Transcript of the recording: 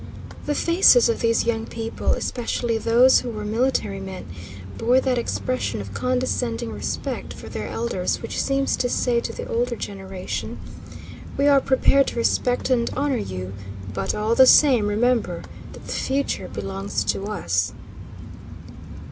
The faces of these young people, especially those who were military men, bore that expression of condescending respect for their elders which seems to say to the older generation, "We are prepared to respect and honor you, but all the same remember that the future belongs to us."